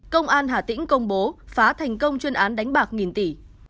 công an hà tĩnh công bố phá thành công chuyên án đánh bạc nghìn tỷ